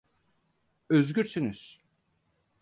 Özgürsünüz.